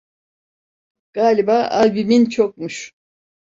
Galiba albümin çokmuş.